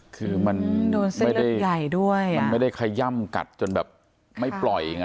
คือมันไม่ได้ไขยั่มกัดจนไม่ปล่อย